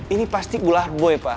ini pasti gulah boy pak